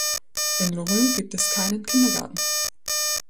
In Lorüns gibt es keinen Kindergarten.